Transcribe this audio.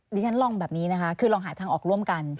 ดิฉันลองแบบนี้นะคะคือลองหาทางออกร่วมกัน